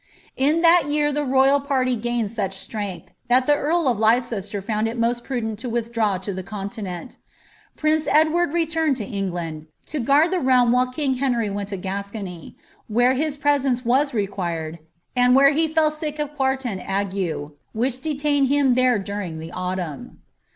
B^at year the royal party gained such strength, that the earl of r fband it m<ist prudent to withdraw to the continent. Prince I lo England, to guard the realm while king Ilcnry went tay, where his presence was required, and where he fell sick of n agne, which deiained him there during the autumn.